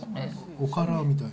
おからみたい。